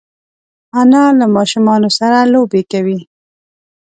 انا له ماشومانو سره لوبې کوي